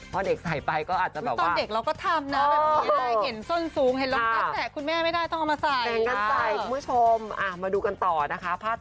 เห็นกันใส่คุณผู้ชมมาดูกันต่อนะคะ